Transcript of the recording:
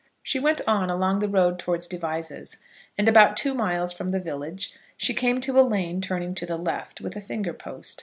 She went on along the road towards Devizes, and about two miles from the village she came to a lane turning to the left, with a finger post.